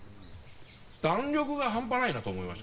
弾力が半端ないなと思います。